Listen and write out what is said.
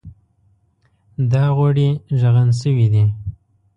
دا غوړي ږغن شوي دي.